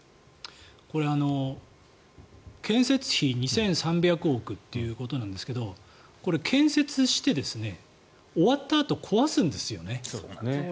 これ、建設費２３００億円ということなんですけど建設して、終わったあと壊すんですよね。